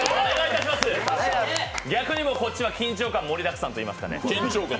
逆にもうこっちは緊張感、盛りだくさんといいますかね。